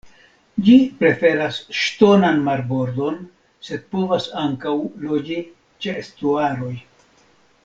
Ĝi preferas ŝtonan marbordon, sed povas ankaŭ loĝi ĉe estuaroj.